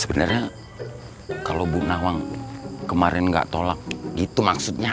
sebenarnya kalau bu nawang kemarin gak tolak gitu maksudnya